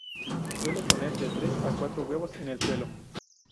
Suele poner de tres a cuatro huevos en el suelo.